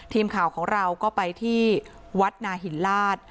ทีมข่าวของเราก็ไปที่วัดนาหินลาศ